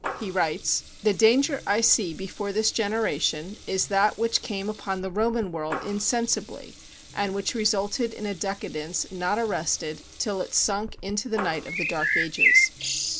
He writes: "The danger I see before this generation is that which came upon the Roman world insensibly and which resulted in a decadence not arrested till it sunk into the night of the dark ages.